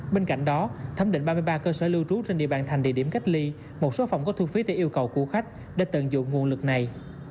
bên cạnh đó thấm định ba mươi ba cơ sở lưu trú trên địa bàn thành địa điểm cách ly một số phòng có thu phí theo yêu cầu của khách để tận dụng nguồn lực này